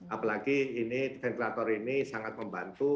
apalagi ventilator ini sangat membantu